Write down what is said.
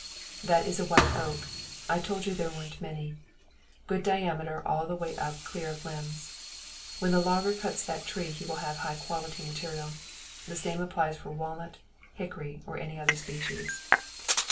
That is a white oak. I told you there weren't many. Good diameter all the way up clear of limbs. When the logger cuts that tree he will have high quality material. The same applies for walnut, hickory, or any other species.